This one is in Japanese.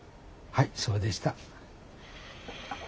はいそうでした。